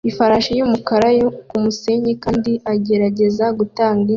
ifarashi yumukara kumusenyi kandi agerageza gutunga inka